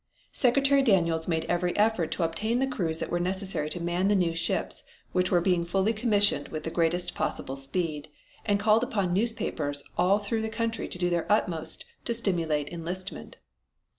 Secretary Daniels made every effort to obtain the crews that were necessary to man the new ships which were being fully commissioned with the greatest possible speed and called upon newspapers all through the country to do their utmost to stimulate enlistment.